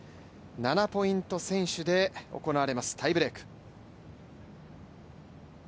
７ポイント先取で行われますタイブレーク。